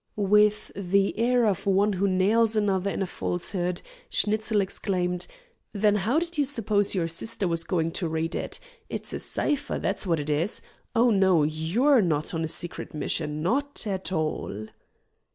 With the air of one who nails another in a falsehood, Schnitzel exclaimed: "Then, how did you suppose your sister was going to read it? It's a cipher, that's what it is. Oh, no, YOU'RE not on a secret mission! Not at all!"